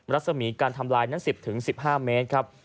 รัศมีการทำลายนั้น๑๐๑๕เมตรครับ